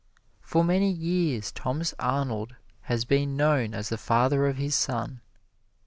For many years Thomas Arnold has been known as the father of his son.